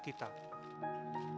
tidak bener tidak